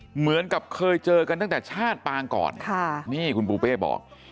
เหมือนกับเคยเจอกันตั้งแต่ชาติปางก่อนค่ะนี่คุณปูเป้บอก